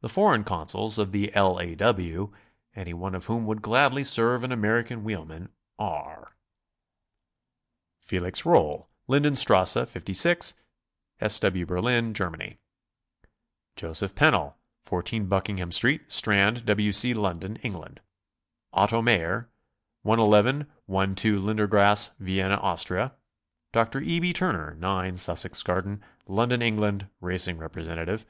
The foreign Consuls of the L. A. W., any one of whom would gladly serve an American wheelman, are: Felix Rohl, Linden Strasse 5G, S. W. Berlin, Germany. Joseph Pennell, 14 Buckingham .st., Strand, W. C. London, England. Otto Mayer, in 1 2 Lindergrasse, Vienna, Austria. Dr. E. B. Turner, 9 Sussex Garden, London, Eng., Racing Representative.